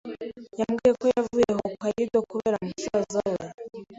Yambwiye ko yavuye i Hokkaido kureba musaza we.